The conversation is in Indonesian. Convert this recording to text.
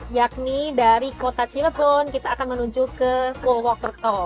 yakni dari kota cirebon kita akan menuju ke full walker toll